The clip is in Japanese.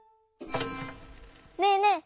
ねえねえ